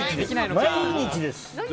毎日です。